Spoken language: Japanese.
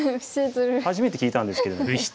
初めて聞いたんですけれども。